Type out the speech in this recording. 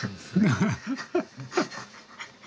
ハハハハ！